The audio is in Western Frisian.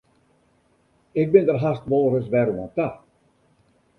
Ik bin der hast wolris wer oan ta.